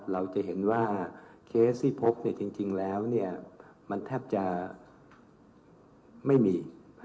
เราจะเห็นว่าเคสที่พบจริงแล้วมันแทบจะไม่มี